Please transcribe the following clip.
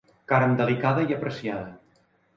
Carn delicada i apreciada.